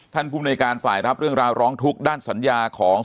ภูมิในการฝ่ายรับเรื่องราวร้องทุกข์ด้านสัญญาของ